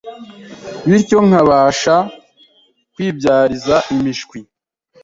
bityo nkabasha kwibyariza imishwi